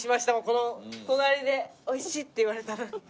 この隣で「おいしい！」って言われたら。